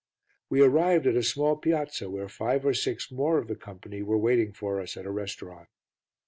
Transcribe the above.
We arrived at a small piazza where five or six more of the company were waiting for us at a restaurant.